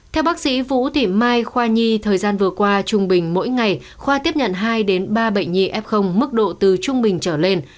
theo bác sĩ vũ thị mai khoa nhi thời gian vừa qua trung bình mỗi ngày khoa tiếp nhận hai ba bệnh nhi f mức độ từ trung bình trở lên